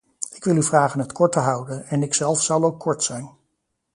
Ik wil u vragen het kort te houden, en ikzelf zal ook kort zijn.